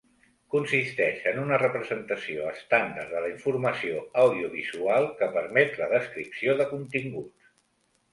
Consisteix en una representació estàndard de la informació audiovisual que permet la descripció de continguts.